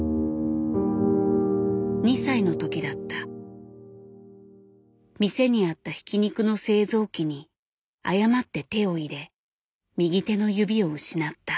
２歳の時だった店にあったひき肉の製造器に誤って手を入れ右手の指を失った。